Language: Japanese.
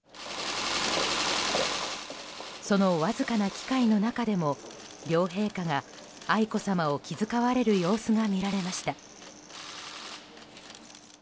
そのわずかな機会の中でも両陛下が愛子さまを気遣われる様子が見られました。